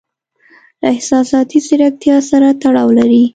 له احساساتي زیرکتیا سره تړاو لري.